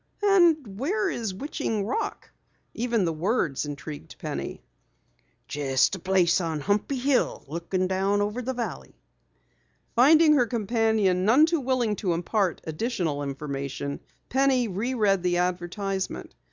"And where is Witching Rock?" Even the words intrigued Penny. "Jest a place on Humpy Hill lookin' down over the Valley." Finding her companion none too willing to impart additional information, Penny reread the advertisement.